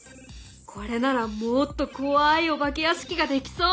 これならもっと怖いお化け屋敷ができそう！